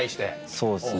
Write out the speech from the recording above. そうですね。